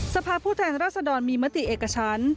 สภาพผู้แทนรัศดรมีมติเอกชั้น